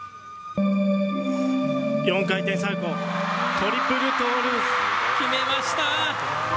４回転サルコー、トリプルト決めました。